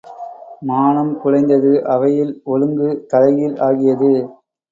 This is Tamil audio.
மானம் குலைந்தது அவையில் ஒழுங்கு தலை கீழ் ஆகியது.